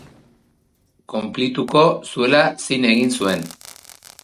Konplituko zuela zin egina zuen.